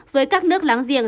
với các nước láng giềng